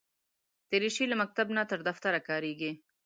دریشي له مکتب نه تر دفتره کارېږي.